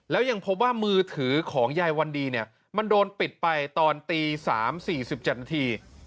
แล้วยังพบว่ามือถือของยายวันดีเนี่ยมันโดนปิดไปตอนตี๓๔๗นาที